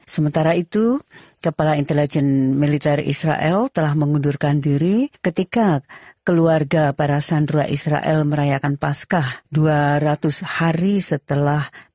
sementara itu kepala intelijen militer israel telah mengundurkan diri ketika keluarga para sandera israel merayakan paskah dua ratus hari setelah